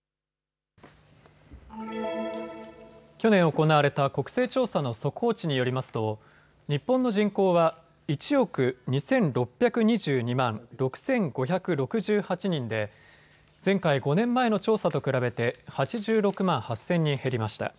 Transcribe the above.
去年行われた国勢調査の速報値によりますと日本の人口は１億２６２２万６５６８人で前回５年前の調査と比べて８６万８０００人減りました。